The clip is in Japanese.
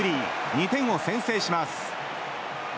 ２点を先制します。